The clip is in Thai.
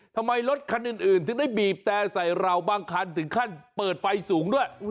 ทำไมรถคันอื่นถึงได้บีบแต่ใส่เราบางคันถึงขั้นเปิดไฟสูงด้วย